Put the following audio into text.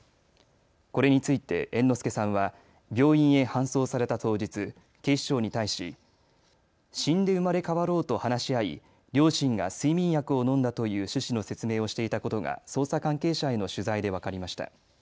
これについて猿之助さんは病院へ搬送された当日、警視庁に対し死んで生まれ変わろうと話し合い両親が睡眠薬を飲んだという趣旨の説明をしていたことが捜査関係者への取材で分かりました。